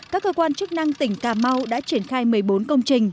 các cơ quan chức năng tỉnh cà mau đã triển khai một mươi bốn công trình